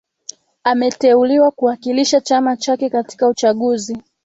ameteuliwa kuwakilisha chama chake katika uchaguzi